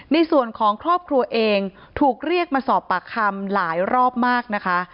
ในส่วนของครอบครัวเองถูกเรียกมาสอบปากคำหลายรอบมากนะคะ